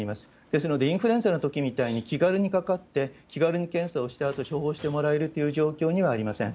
ですので、インフルエンザのときみたいに気軽にかかって、気軽に検査をして、あと処方してもらえるという状況にはありません。